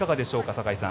坂井さん。